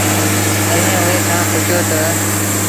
ڪݩهݩ اُئي کآݩ پُڇيو تا